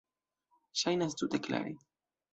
Ŝajnas tute klare.